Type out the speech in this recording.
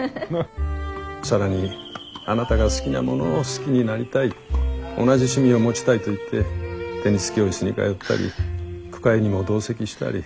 更にあなたが好きなものを好きになりたい同じ趣味を持ちたいと言ってテニス教室に通ったり句会にも同席したり。